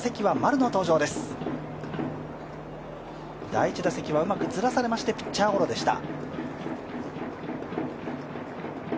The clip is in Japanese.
第１打席はうまくずらされまして、ピッチャーゴロでした。